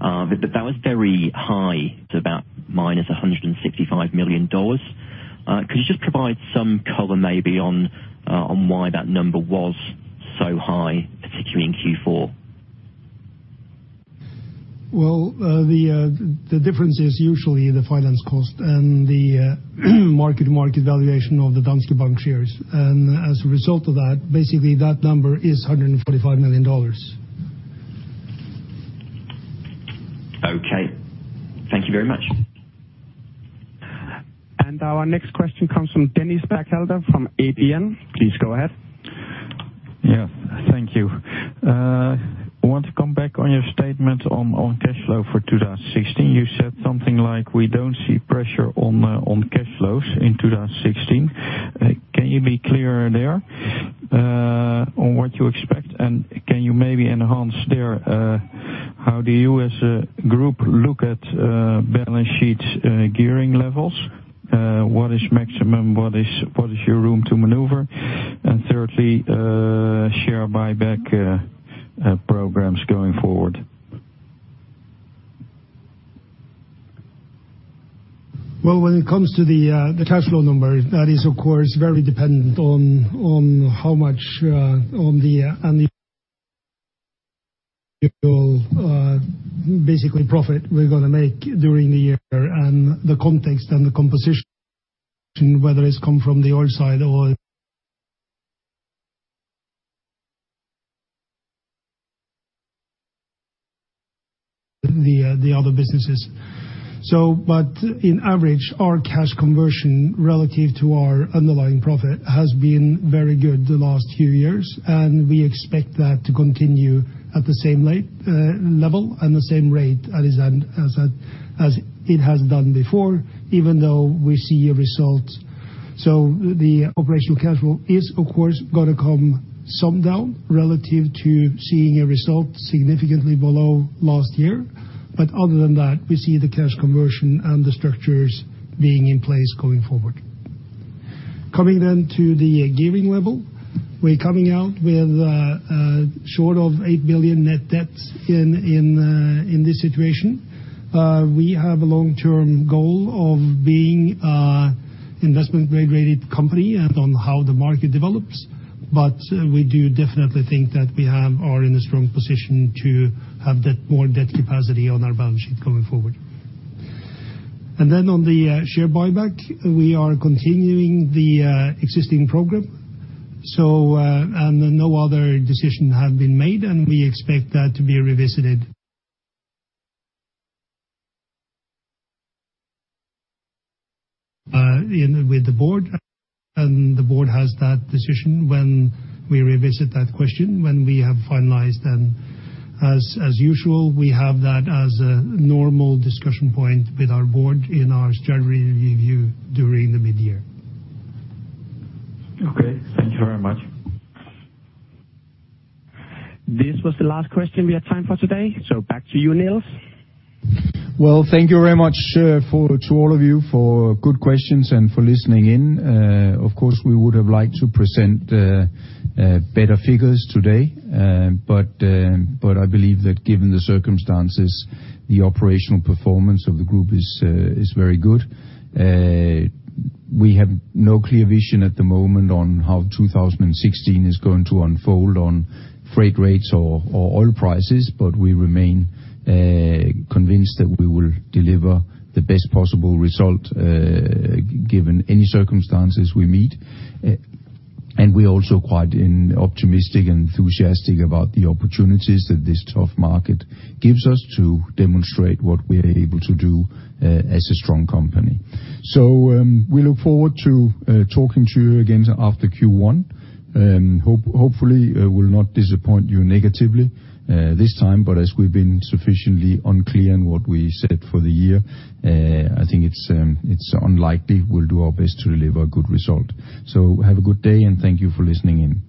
That was very high to about -$165 million. Could you just provide some color maybe on why that number was so high, particularly in Q4? The difference is usually the finance cost and the mark-to-market valuation of the Danske Bank shares. As a result of that, basically that number is $145 million. Okay, thank you very much. Our next question comes from Dennis Bak-Bredelder from ABN. Please go ahead. Yes, thank you. I want to come back on your statement on cash flow for 2016. You said something like, "We don't see pressure on cash flows in 2016." Can you be clear there on what you expect? Can you maybe enhance there how do you as a group look at balance sheets, gearing levels? What is maximum, what is your room to maneuver? Thirdly, share buyback programs going forward. Well, when it comes to the cash flow number, that is of course very dependent on how much on the basically profit we're gonna make during the year and the context and the composition, whether it's come from the oil side or the other businesses. On average, our cash conversion relative to our underlying profit has been very good the last few years. We expect that to continue at the same level and the same rate as it has done before, even though we see a result. The operational cash flow is of course gonna come some down relative to seeing a result significantly below last year. Other than that, we see the cash conversion and the structures being in place going forward. Coming to the gearing level. We're coming out with short of $8 billion net debt in this situation. We have a long-term goal of being an investment grade-rated company and on how the market develops. We do definitely think that we are in a strong position to have more debt capacity on our balance sheet going forward. Then on the share buyback, we are continuing the existing program. No other decision has been made, and we expect that to be revisited with the board. The board has that decision when we revisit that question, when we have finalized. As usual, we have that as a normal discussion point with our board in our strategy review during the midyear. Okay. Thank you very much. This was the last question we have time for today. Back to you, Nils. Well, thank you very much to all of you for good questions and for listening in. Of course, we would have liked to present better figures today. I believe that given the circumstances, the operational performance of the group is very good. We have no clear vision at the moment on how 2016 is going to unfold on freight rates or oil prices, but we remain convinced that we will deliver the best possible result given any circumstances we meet. We're also quite optimistic and enthusiastic about the opportunities that this tough market gives us to demonstrate what we are able to do as a strong company. We look forward to talking to you again after Q1. Hopefully, we'll not disappoint you negatively, this time, but as we've been sufficiently unclear in what we said for the year, I think it's unlikely. We'll do our best to deliver a good result. Have a good day, and thank you for listening in.